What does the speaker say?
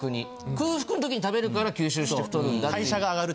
空腹の時に食べるから吸収して太るんだって。